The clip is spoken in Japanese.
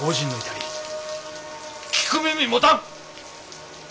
聞く耳持たぬ！